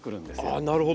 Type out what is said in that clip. あなるほど。